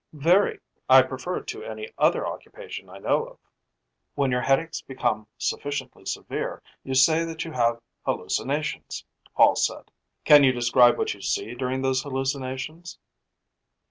"Very. I prefer it to any other occupation I know of." "When your headaches become sufficiently severe, you say that you have hallucinations," Hall said. "Can you describe what you see during those hallucinations?"